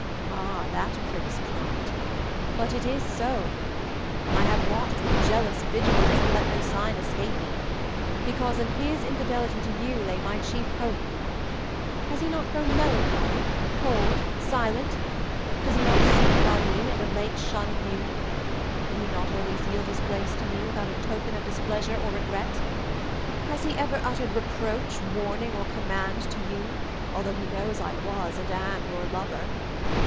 Ah! that pricks pride! But it is so. I have watched with jealous vigilance and let no sign escape me; because in his infidelity to you lay my chief hope. Has he not grown melancholy, cold, and silent? Does he not seek Babie and, of late, shun you? Will he not always yield his place to me without a token of displeasure or regret? Has he ever uttered reproach, warning, or command to you, although he knows I was and am your lover?